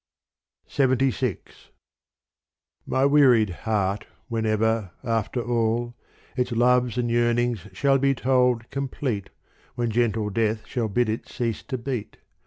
LXXVI My wearied heart, whenever, after all, Its loves and yearnings shall be told complete, When gentle death shall bid it cease to beat.